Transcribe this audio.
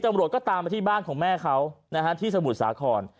ตำรวจก็ตามมาที่บ้านของแม่เขานะฮะที่สมุทรสาคร